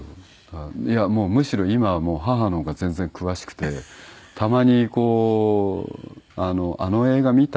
いやもうむしろ今は母の方が全然詳しくてたまに「あの映画見た？」